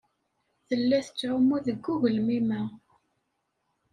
Tella tettɛumu deg ugelmim-a.